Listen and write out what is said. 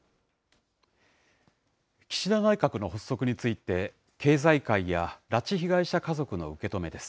岸田内閣の発足について、経済界や拉致被害者家族の受け止めです。